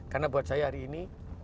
karena buat saya hari ini